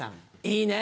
いいね。